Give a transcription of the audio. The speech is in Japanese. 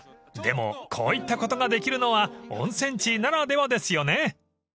もこういったことができるのは温泉地ならではですよね］